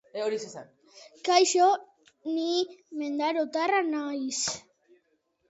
Azken boto eskaerak egin dituzte hautagaiek, hausnarketa eguna abiatu baino lehen.